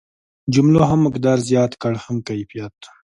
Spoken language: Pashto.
جملو هم مقدار زیات کړ هم کیفیت.